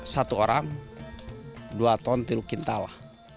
satu orang dua ton tiru kintal